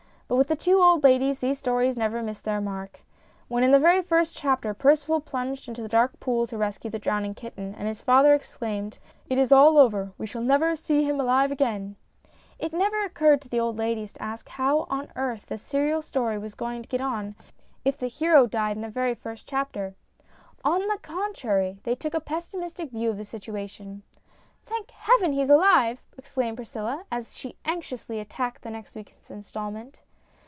But with the two old ladies these stories never missed their mark. When in the very first chapter Percival plunged into the dark pool to rescue the drowning kitten, and his father exclaimed :" It is all over ; we shall never see him alive again !" it never occurred to the old ladies to ask how on earth the serial story was going to get on if the 264 STORIES IN GREY hero died in the very first chapter. On the con trary, they took a pessimistic view of the situation. " Thank heaven, he's alive !" exclaimed Priscilla, as she anxiously attacked the next week's instalment.